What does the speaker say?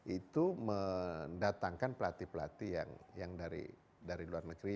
itu mendatangkan pelatih pelatih yang dari luar negeri